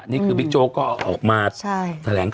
ไม่ขึ้นหรอกครับยังงั้นไม่ขึ้น